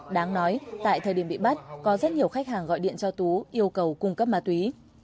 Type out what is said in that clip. đáng nói tại thời điểm bị bắt có rất nhiều khách hàng gọi điện cho tú yêu cầu cung cấp ma túy